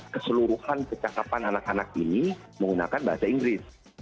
keseluruhan kecakapan anak anak ini menggunakan bahasa inggris